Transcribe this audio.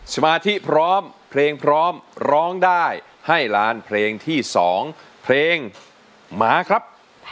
สมาธิพร้อมเพลงพร้อมร้องได้ให้ล้านเพลงที่๒เพลงมาครับ